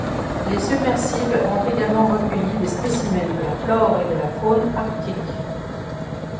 Les submersibles ont également recueilli des spécimens de la flore et la faune arctique.